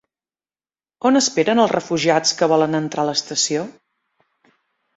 On esperen els refugiats que volen entrar a l'estació?